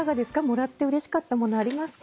もらってうれしかったものありますか？